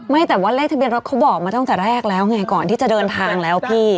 ไม่แต่ว่าเลขทะเบียนรถเขาบอกมาตั้งแต่แรกแล้วไงก่อนที่จะเดินทางแล้วพี่